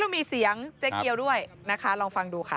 เรามีเสียงเจ๊เกียวด้วยลองฟังดูค่ะ